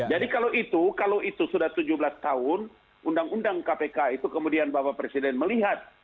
jadi kalau itu kalau itu sudah tujuh belas tahun undang undang kpk itu kemudian bapak presiden melihat